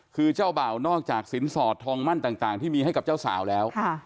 คือเจ้าบ่าวนอกจากสินสอดทองมั่นต่างที่มีให้กับเจ้าสาวแล้ว